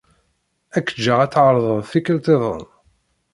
Ad k-ǧǧeɣ ad tɛerḍeḍ tikelt-iḍen.